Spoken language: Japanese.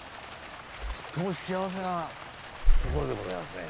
とっても幸せな所でございますね。